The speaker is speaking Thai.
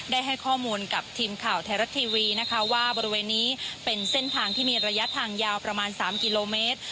ได้ให้ข้อมูลกับทีมข่าวไทยรัฐทีวีนะคะว่าบริเวณนี้เป็นเส้นทางที่มีระยะทางยาวประมาณ๓กิโลเมตร